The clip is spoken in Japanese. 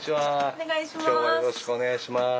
お願いします。